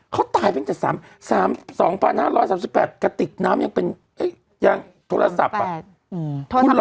เขาตายตั้งแต่๒๕๓๘กระติกน้ำยังเป็นยังโทรศัพท์